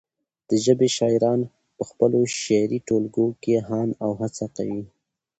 د پښتو ژبی شاعران پخپلو شعري ټولګو کي هاند او هڅه کوي